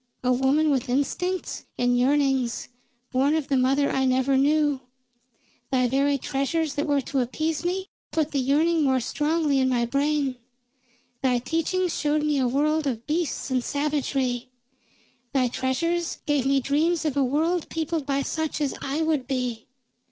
A woman with instincts and yearnings, born of the mother I never knew. Thy very treasures that were to appease me put the yearning more strongly in my brain. Thy teachings showed me a world of beasts and savagery; thy treasures gave me dreams of a world peopled by such as I would be.